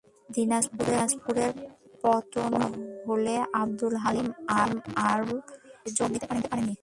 দিনাজপুরের পতন হলে আবদুল হালিম আর মূল দলে যোগ দিতে পারেননি।